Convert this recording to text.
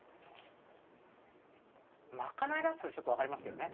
まかないだったらちょっとわかりますけどね。